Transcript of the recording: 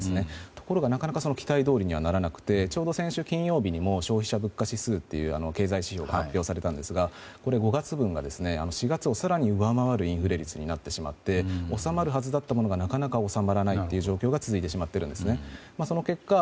ところが期待どおりにはならなくてちょうど先週金曜日にも消費者物価指数という経済指標が発表されましたがこれは５月分が４月を更に上回るインフレ率になってしまって収まるはずのものだったのがなかなか収まらないという状況になってしまっているんです。